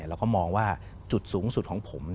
เราก็มองว่าจุดสูงสุดของผม